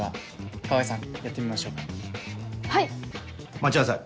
待ちなさい。